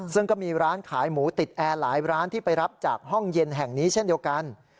ซึ่งก็มีร้านขายหมูติดแอร์หลายร้านที่ไปรับจากห้องเย็นแห่งนี้เช่นเดียวกัน